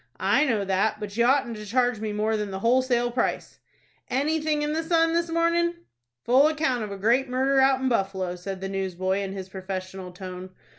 "I know that; but you oughtn't to charge me more than the wholesale price." "Anything in the 'Sun' this mornin'?" "Full account of a great murder out in Buffalo," said the newsboy, in his professional tone.